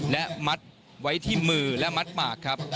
และมัดไว้ที่มือและมัดปากครับ